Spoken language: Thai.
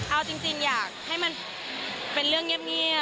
เอาจริงอยากให้มันเป็นเรื่องเงียบ